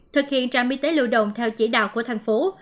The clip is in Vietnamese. thực hiện trạm y tế lưu động theo chỉ đạo của thành phố